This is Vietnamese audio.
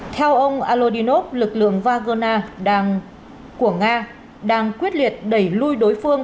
theo ông alodinot lực lượng wagner của nga đang quyết liệt đẩy lui đối phương